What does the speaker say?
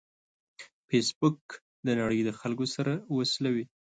فېسبوک د نړۍ د خلکو سره وصلوي